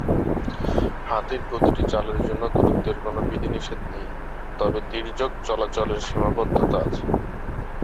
হাতির প্রতিটি চালের জন্য দূরত্বের কোনও বিধিনিষেধ নেই, তবে তির্যক চলাচলে সীমাবদ্ধতা আছে।